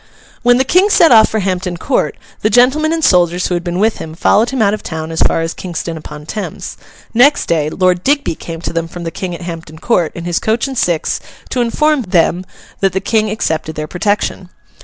When the King set off for Hampton Court, the gentlemen and soldiers who had been with him followed him out of town as far as Kingston upon Thames; next day, Lord Digby came to them from the King at Hampton Court, in his coach and six, to inform them that the King accepted their protection.